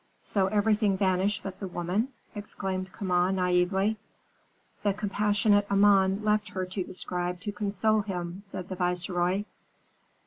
"So everything vanished but the woman!" exclaimed Kama, naïvely. "The compassionate Amon left her to the scribe to console him," said the viceroy.